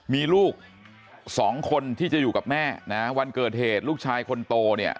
มีลูกสองคนที่จะอยู่กับแม่นะวันเกิดเหตุลูกชายคนโตเนี่ย